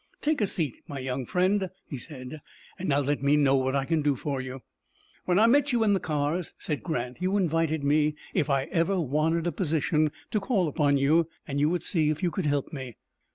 "Take a seat, my young friend," he said; "and now let me know what I can do for you." "When I met you in the cars," said Grant, "you invited me, if I ever wanted a position, to call upon you, and you would see if you could help me."